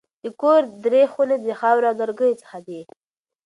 د کور درې خونې د خاورو او لرګیو څخه دي.